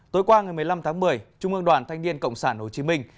tối qua ngày một mươi năm tháng một mươi trung ương đoàn thanh niên cộng sản hồ chí minh